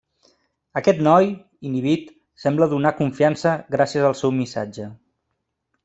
Aquest noi, inhibit, sembla donar confiança gràcies al seu missatge.